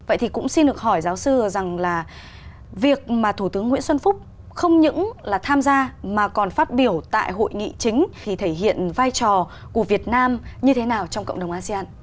vậy thì cũng xin được hỏi giáo sư rằng là việc mà thủ tướng nguyễn xuân phúc không những là tham gia mà còn phát biểu tại hội nghị chính thì thể hiện vai trò của việt nam như thế nào trong cộng đồng asean